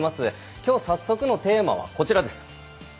きょう早速のテーマは、こちらです。